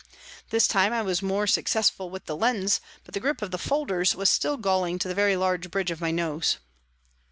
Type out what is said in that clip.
This time I was more successful with the lens, but the grip of the folders was still galling to the very large bridge of my nose.